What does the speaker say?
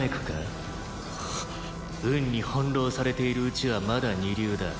「運に翻弄されているうちはまだ二流だ」